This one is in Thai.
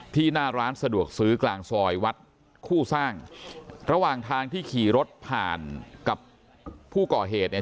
หน้าร้านสะดวกซื้อกลางซอยวัดคู่สร้างระหว่างทางที่ขี่รถผ่านกับผู้ก่อเหตุเนี่ย